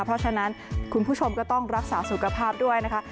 เพราะฉะนั้นคุณผู้ชมก็ต้องรักษาสุขภาพด้วยนะคะ